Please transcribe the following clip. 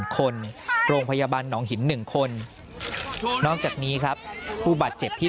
คนโรงพยาบาลหนองหิน๑คนนอกจากนี้ครับผู้บาดเจ็บที่